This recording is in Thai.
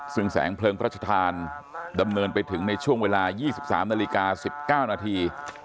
ซึ่งแสงเพลิงพระราชทานดำเนินไปถึงในช่วงเวลายี่สิบสามนาฬิกาสิบเก้านาที